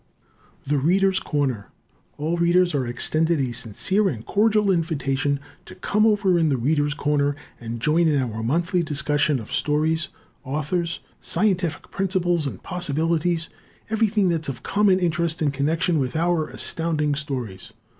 "The Readers' Corner" All readers are extended a sincere and cordial invitation to "come over in 'The Readers' Corner'" and join in our monthly discussion of stories, authors, scientific principles and possibilities everything that's of common interest in connection with our Astounding Stories.